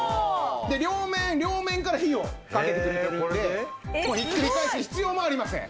両面から火をかけてくれているんでもうひっくり返す必要もありません。